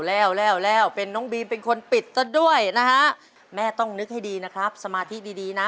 แล้วแล้วเป็นน้องบีมเป็นคนปิดซะด้วยนะฮะแม่ต้องนึกให้ดีนะครับสมาธิดีดีนะ